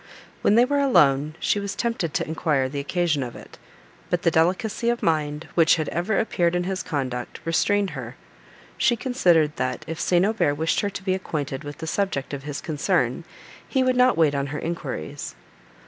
When they were alone she was tempted to enquire the occasion of it, but the delicacy of mind, which had ever appeared in his conduct, restrained her: she considered that, if St. Aubert wished her to be acquainted with the subject of his concern, he would not wait on her enquiries.